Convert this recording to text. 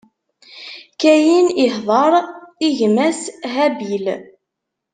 Kayin ihdeṛ i gma-s Habil.